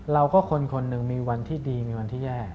คนคนหนึ่งมีวันที่ดีมีวันที่แย่